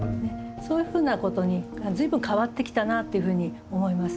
そういうふうなことに随分変わってきたなっていうふうに思いますね。